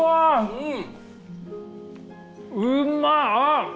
うん。